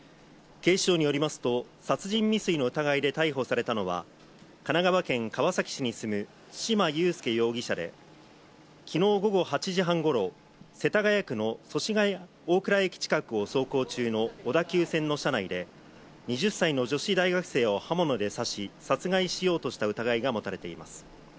警視庁によりますと殺人未遂の疑いで逮捕されたのは、神奈川県川崎市に住む對馬悠介容疑者で、きのう午後８時半頃、世田谷区の祖師ヶ谷大蔵駅近くを走行中の小田急線の車内で２０歳の女子大学生を刃物で刺し、殺害しようとした疑いが持たれています。